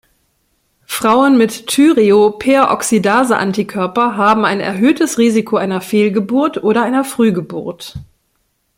Frauen mit Thyreoperoxidase-Antikörper haben ein erhöhtes Risiko einer Fehlgeburt oder einer Frühgeburt.